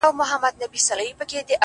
او په سترگو کې بلا اوښکي را ډنډ سوې’